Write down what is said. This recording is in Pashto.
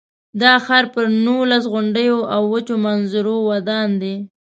دا ښار پر نولس غونډیو او وچو منظرو ودان دی.